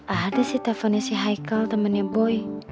ada sih teleponnya si haikal temennya boy